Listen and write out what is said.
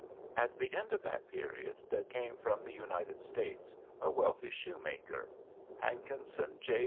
At the end of that period there came from the United States a wealthy shoemaker, Hankinson J.